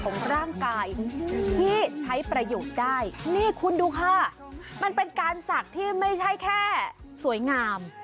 นี่คุณดูค่ะมันเป็นการศักดิ์ที่ไม่ใช่แค่สวยงาม